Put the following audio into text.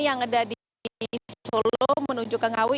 yang ada di solo menuju ke ngawi